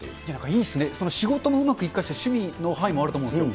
いいですね、仕事もうまく生かして、趣味の範囲もあると思うんですよ。